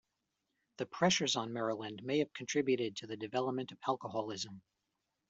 The pressures on Marland may have contributed to the development of alcoholism.